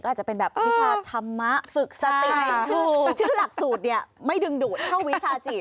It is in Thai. ก็อาจจะเป็นแบบวิชาธรรมะ